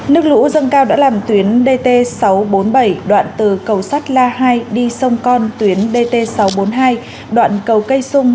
nước lũ dâng cao đã làm tuyến dt sáu trăm bốn mươi bảy đoạn từ cầu sắt la hai đi sông con tuyến dt sáu trăm bốn mươi hai đoạn cầu cây sung